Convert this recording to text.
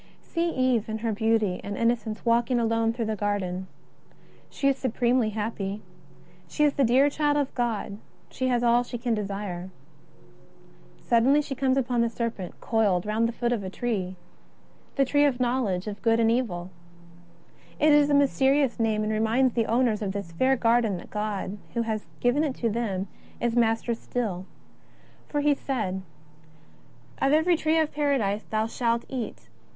See Eve in her beauty and innocence walking alone through the garden. She is supremely happy. She is the dear child of God ; she has all she can desire. Sud denly she comes upon the serpent coiled round the foot of a tree, *' the tree of the knowledge of good and evil." It is a mysterious name and reminds the owners of this fair garden that God who has given it t,o them is Master still. For He has said: JESUS OF NAZAHETH. 25 a Of every tree of Paradise thou shalt eat.